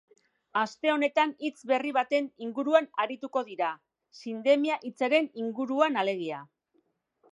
Aste honetan hitz berri baten inguruan arituko dira, sindemia hitzaren inguruan alegia.